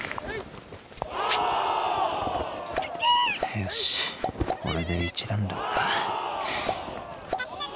・よしこれで一段落か。